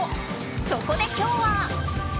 そこで今日は。